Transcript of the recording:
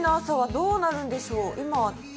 どうなるんでしょうね？